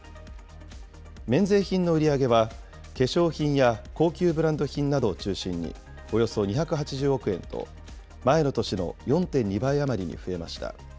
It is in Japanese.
免税品の売り上げは、化粧品や高級ブランド品などを中心におよそ２８０億円と、前の年の４．２倍余りに増えました。